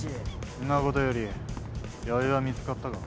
んなことより弥生は見つかったか？